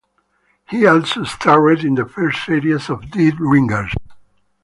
He also starred in the first series of "Dead Ringers".